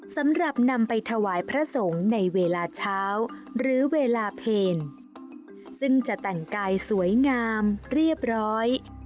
สำหรับนำไปถวายพระสงฆ์ในเวลาเช้าหรือเวลาเพลซึ่งจะแต่งกายสวยงามเรียบร้อย